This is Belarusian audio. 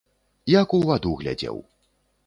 Як у ваду глядзеў.